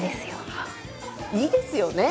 いいですよね